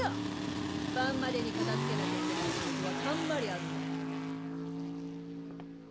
晩までに片づけなきゃいけない仕事はたんまりあるんだ。